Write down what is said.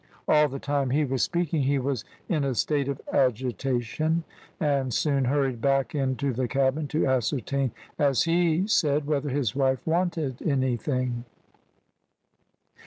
All the time he was speaking he was in a state of agitation, and soon hurried back into the cabin, to ascertain (as he said), whether his wife wanted anything.